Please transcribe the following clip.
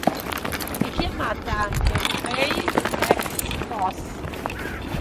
È chiamata anche Sveinstekksfoss.